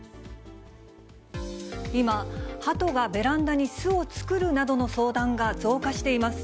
今、ハトがベランダに巣を作るなどの相談が増加しています。